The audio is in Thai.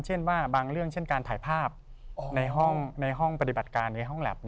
เช่นว่าบางเรื่องเช่นการถ่ายภาพในห้องปฏิบัติการในห้องแล็บ